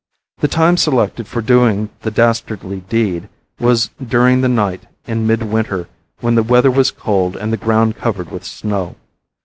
The time selected for doing the dastardly deed was during the night in midwinter when the weather was cold and the ground covered with snow.